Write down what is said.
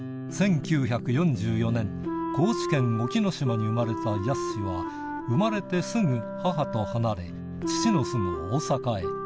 １９４４年、高知県沖の島に生まれたやすしは、産まれてすぐ母と離れ、父の住む大阪へ。